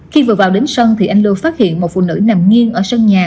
khi vừa vào đến sân thì anh lưu phát hiện một phụ nữ nằm nghiêng ở sân nhà